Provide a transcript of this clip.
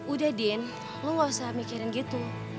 udah din lu gausah mikirin gitu